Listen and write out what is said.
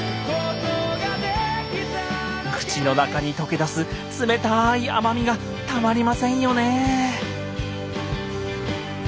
口の中にとけ出す冷たい甘みがたまりませんよねえ。